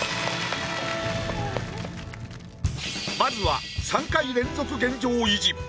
まずは３回連続現状維持